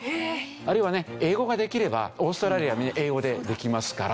あるいはね英語ができればオーストラリアは英語でできますから。